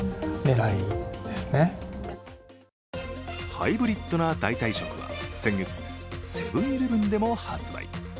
ハイブリッドな代替食は先月セブン−イレブンでも発売。